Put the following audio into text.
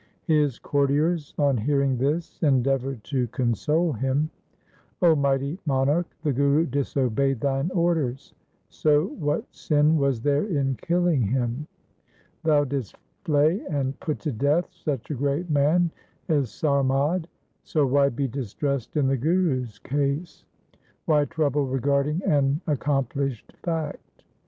His courtiers on hearing this endeavoured to console him :' 0 mighty monarch, the Guru disobeyed thine orders, so what sin was there in killing him ? Thou didst flay and put to death such a great man as Sarmad, so why be distressed in the Guru's case ? Why trouble regarding an accomplished fact